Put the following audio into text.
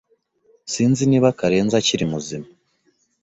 Sinzi niba Karenzi akiri muzima.